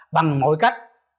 bằng mọi cách